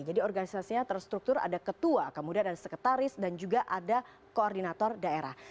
jadi organisasinya terstruktur ada ketua kemudian ada sekretaris dan juga ada koordinator daerah